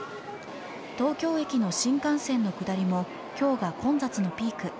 東京駅の新幹線の下りも今日が混雑のピーク。